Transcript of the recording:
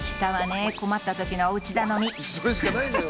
それしかないんだよ